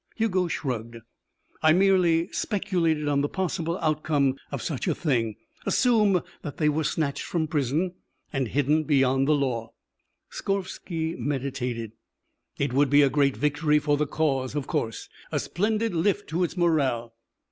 Hugo shrugged. "I merely speculated on the possible outcome of such a thing; assume that they were snatched from prison and hidden beyond the law." Skorvsky meditated. "It would be a great victory for the cause, of course. A splendid lift to its morale."